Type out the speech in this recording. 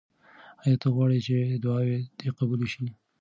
آیا ته غواړې چې دعاوې دې قبولې شي؟